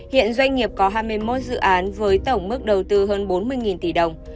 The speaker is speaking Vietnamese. hiện doanh nghiệp có hai mươi một dự án với tổng mức đầu tư hơn bốn mươi tỷ đồng